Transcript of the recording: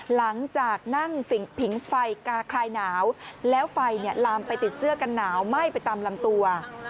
หลังจากนั่งผิงไฟกาคลายหนาวแล้วไฟลามไปติดเสื้อกันหนาวไหม้ไปตามลำตัว